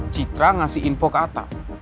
citra ngasih info ke atas